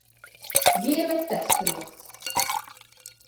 Gean nei tekstberjocht.